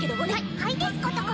はいですことこ！